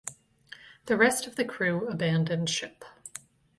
The rest of the crew abandoned ship.